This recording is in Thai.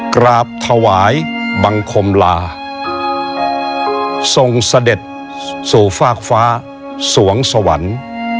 กราบถวายบังคมลาทรงเสด็จสู่ฟากฟ้าสวงสวรรค์